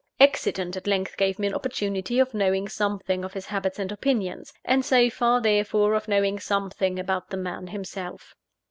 Accident at length gave me an opportunity of knowing something of his habits and opinions; and so far, therefore, of knowing something about the man himself.